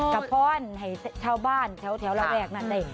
กระพ่อนชาวบ้านแถวระแวกนั้นได้